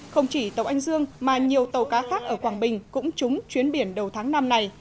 không chỉ tàu anh dương mà nhiều tàu cá khác ở quảng bình cũng trúng chuyến biển đầu tháng năm này